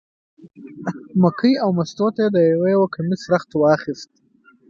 مکۍ او مستو ته یې د یو یو کمیس رخت واخیست.